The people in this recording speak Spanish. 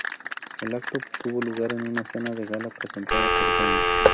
El acto tuvo lugar en una Cena de Gala presentada por Dña.